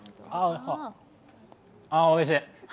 ああ、おいしい。